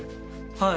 はい。